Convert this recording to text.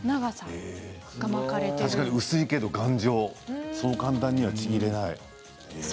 確かに薄いけど頑丈、そう簡単にちぎれない。